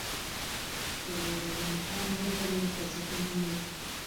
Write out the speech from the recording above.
که غني خان ولولو نو فلسفه نه مري.